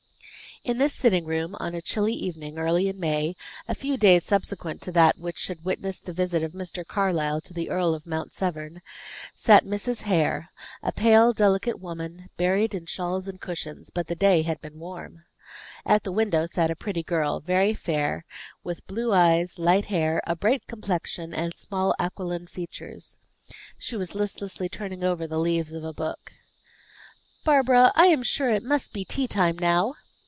In this sitting room, on a chilly evening, early in May, a few days subsequent to that which had witnessed the visit of Mr. Carlyle to the Earl of Mount Severn, sat Mrs. Hare, a pale, delicate woman, buried in shawls and cushions: but the day had been warm. At the window sat a pretty girl, very fair, with blue eyes, light hair, a bright complexion, and small aquiline features. She was listlessly turning over the leaves of a book. "Barbara, I am sure it must be tea time now."